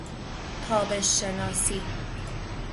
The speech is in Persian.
تابش شناسی